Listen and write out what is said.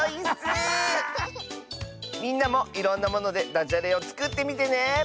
みんなもいろんなものでだじゃれをつくってみてね！